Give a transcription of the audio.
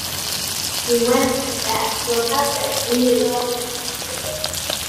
He went with them to a cafe in the evening.